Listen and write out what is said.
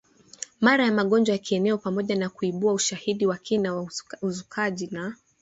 mara vya magonjwa ya kieneo pamoja na kuibua ushahidi wa kina wa uzukaji na